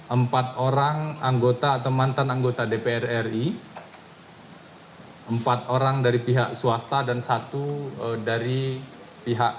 empat orang anggota atau mantan anggota dpr ri empat orang dari pihak swasta dan satu dari pihak